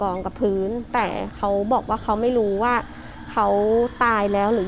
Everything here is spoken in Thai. กับพื้นแต่เขาบอกว่าเขาไม่รู้ว่าเขาตายแล้วหรือ